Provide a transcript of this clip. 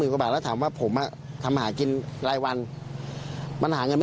ความต้องสองฝั่งนะครับ